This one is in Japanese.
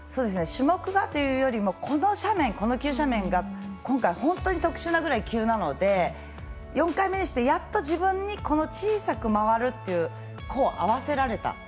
種目がというよりもこの急斜面が今回、本当に特殊なぐらい急なので、４回目にしてやっと自分に小さく回るということを合わせられた。